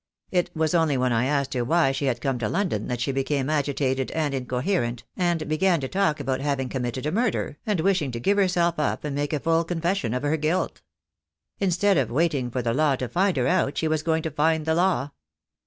It was only when I asked her why she had come to London that she became agitated and incoherent, and began to talk about having committed a murder, and wishing to give herself up and make a full confession of her guilt. Instead of waiting for the law to find her out she was going to find the law.